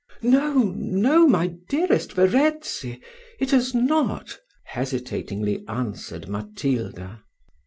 "No, no, my dearest Verezzi, it has not," hesitatingly answered Matilda.